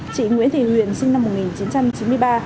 chị nguyễn thị huyền sinh năm một nghìn chín trăm chín mươi ba